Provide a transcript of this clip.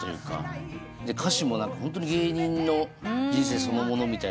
歌詞もホントに芸人の人生そのものみたいな。